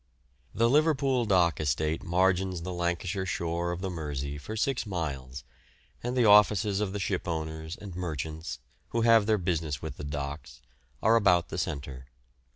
The Liverpool dock estate margins the Lancashire shore of the Mersey for six miles, and the offices of the shipowners and merchants, who have their business with the docks, are about the centre.